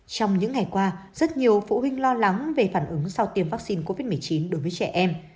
trong những ngày qua rất nhiều phụ huynh lo lắng về phản ứng sau tiêm vaccine covid một mươi chín đối với trẻ em